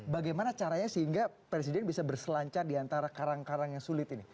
bagaimana caranya sehingga presiden bisa berselancar di antara karang karang yang sulit ini